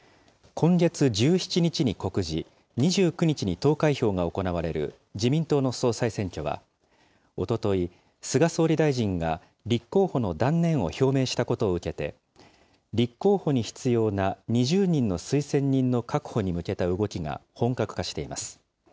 今月１７日に告示、２９日に投開票が行われる自民党の総裁選挙は、おととい、菅総理大臣が立候補の断念を表明したことを受けて、立候補に必要な２０人の推薦人の確保に向けた動きが本格化しています。